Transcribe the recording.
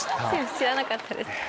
知らなかったです。